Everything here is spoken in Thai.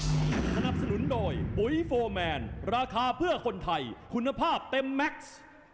สนับสนุนโดยปุ๋ยโฟร์แมนราคาเพื่อคนไทยคุณภาพเต็มแม็กซ์